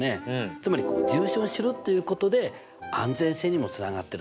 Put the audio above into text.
つまり重心を知るっていうことで安全性にもつながってると。